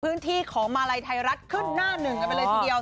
พื้นที่ของมาลัยไทยรัฐขึ้นหน้าหนึ่งกันไปเลยทีเดียว